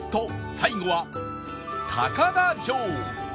最後は高田城